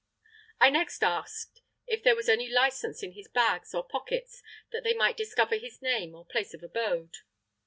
I next asked if there was any licence in his bags or pockets, that they might discover his name or place of abode.